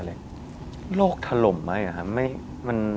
โรคทะลมไหมคะ